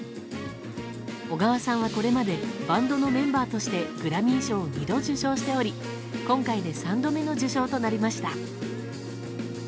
小川さんはこれまでバンドのメンバーとしてグラミー賞を２度、受賞しており今回で３度目の受賞となりました。